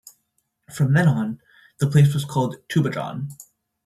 From then on, the place was called "Tubajon".